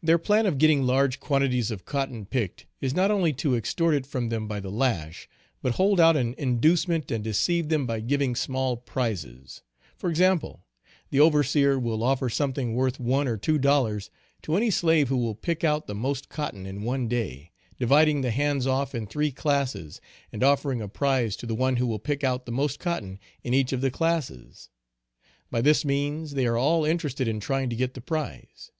Their plan of getting large quantities of cotton picked is not only to extort it from them by the lash, but hold out an inducement and deceive them by giving small prizes. For example; the overseer will offer something worth one or two dollars to any slave who will pick out the most cotton in one day, dividing the hands off in three classes and offering a prize to the one who will pick out the most cotton in each of the classes. By this means they are all interested in trying to get the prize.